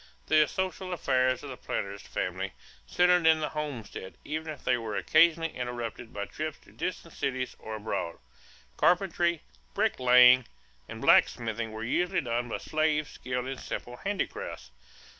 The social affairs of the planter's family centered in the homestead even if they were occasionally interrupted by trips to distant cities or abroad. Carpentry, bricklaying, and blacksmithing were usually done by slaves skilled in simple handicrafts.